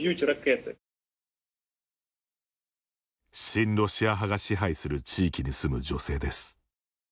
親ロシア派が支配する地域に住む女性です。